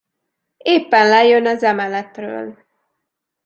Éppen lejön az emeletről.